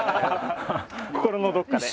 心のどっかで。